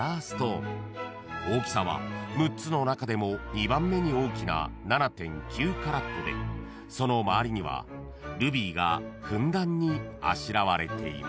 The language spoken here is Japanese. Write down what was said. ［大きさは６つの中でも２番目に大きな７．９カラットでその周りにはルビーがふんだんにあしらわれています］